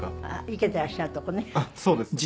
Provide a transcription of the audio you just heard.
生けていらっしゃるとこね。